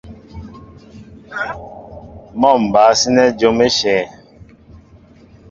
Mɔ́ a ba sínɛ́ jǒm éshe.